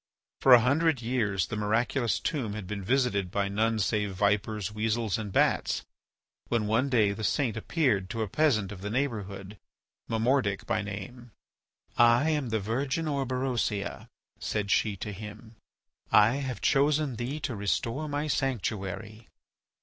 For a hundred years the miraculous tomb had been visited by none save vipers, weasels, and bats, when, one day the saint appeared to a peasant of the neighbourhood, Momordic by name. "I am the virgin Orberosia," said she to him; "I have chosen thee to restore my sanctuary.